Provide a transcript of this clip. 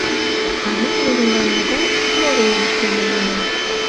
А ме нунылан могай условийым ыштен улына?